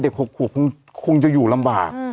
เด็กหกคงจะอยู่ลำบาก